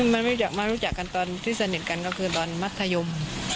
มันไม่อยากมารู้จักกันตอนที่เสน่ห์กันก็คือตอนมัธยม